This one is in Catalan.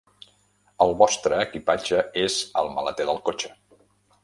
El vostre equipatge és al maleter del cotxe.